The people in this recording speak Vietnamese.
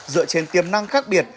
dựa trên tiềm năng khác biệt